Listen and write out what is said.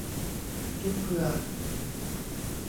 กินเผื่อ